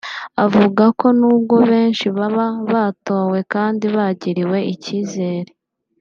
Avuga ko n’ubwo benshi baba batowe kandi bagiriwe icyizere